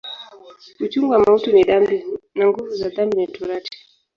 Uchungu wa mauti ni dhambi, na nguvu za dhambi ni Torati.